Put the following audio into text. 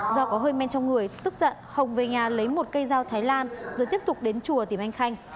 do có hơi men trong người tức giận hồng về nhà lấy một cây dao thái lan rồi tiếp tục đến chùa tìm anh khanh